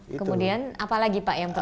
kemudian apalagi pak yang perlu